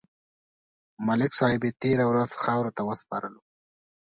ملک صاحب یې تېره ورځ خاورو ته وسپارلو.